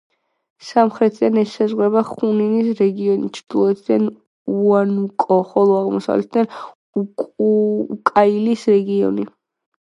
სამხრეთიდან ესაზღვრება ხუნინის რეგიონი, ჩრდილოეთიდან უანუკო, ხოლო აღმოსავლეთიდან უკაიალის რეგიონი.